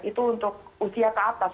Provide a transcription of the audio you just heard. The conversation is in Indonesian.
itu untuk usia ke atas